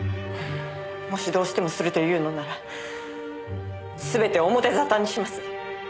もしどうしてもするというのなら全てを表沙汰にします。